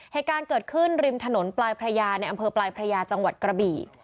เหตุการณ์เกิดขึ้นริมถนนในอำเภอปลายพระยาจังหวัดกระบิ